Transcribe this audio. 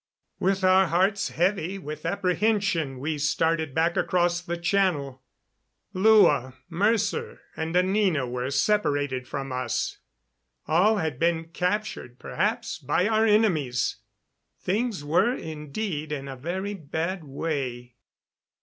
With our hearts heavy with apprehension we started back across the channel. Lua, Mercer and Anina were separated from us. All had been captured, perhaps, by our enemies! Things were, indeed, in a very bad way.